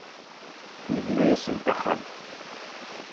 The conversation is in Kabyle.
Yebna-asent axxam.